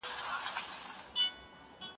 زه به سبا سبزېجات تيار کړم.